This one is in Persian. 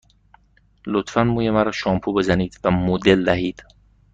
لطفاً موی مرا شامپو بزنید و مدل دهید.